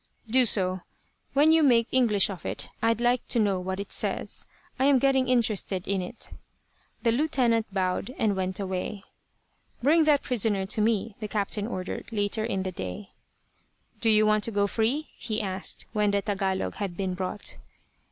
"Do so. When you make English of it I'd like to know what it says. I am getting interested in it" The lieutenant bowed, and went away. "Bring that prisoner to me," the captain ordered, later in the day. "Do you want to go free?" he asked, when the Tagalog had been brought.